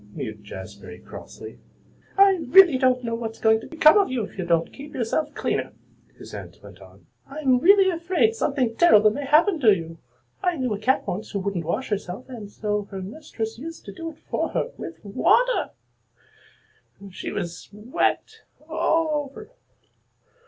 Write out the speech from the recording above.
mewed Jazbury crossly. "I really don't know what's going to become of you if you don't keep yourself cleaner," his aunt went on. "I'm really afraid something terrible may happen to you. I knew a cat once who wouldn't wash herself, and so her mistress used to do it for her with water, so she was wet all over.